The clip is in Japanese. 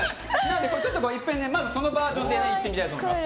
ちょっといっぺんそのバージョンでいってみたいと思います。